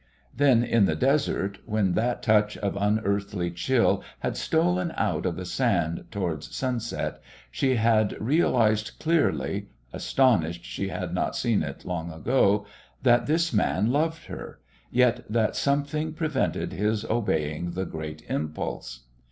Then, in the desert, when that touch of unearthly chill had stolen out of the sand towards sunset, she had realised clearly, astonished she had not seen it long ago, that this man loved her, yet that something prevented his obeying the great impulse.